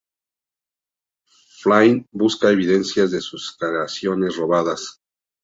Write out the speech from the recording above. Flynn busca evidencia de sus creaciones robadas.